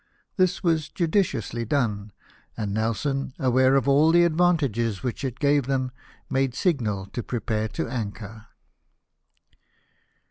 This was judiciously done, and Nelson aware of all the advantages which it gave them, made signal to prepare to anchor.